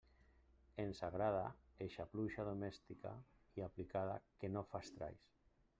Ens agrada eixa pluja domèstica i aplicada que no fa estralls.